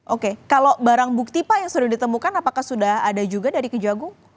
oke kalau barang bukti pak yang sudah ditemukan apakah sudah ada juga dari kejagung